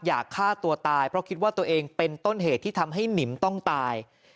อยากฆ่าตัวตายเพราะคิดว่าตัวเองเป็นต้นเหตุที่ทำให้หนิมต้องตาย